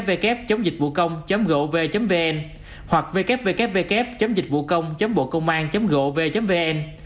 www dịchvucong gov vn hoặc www dịchvucong bocôngan gov vn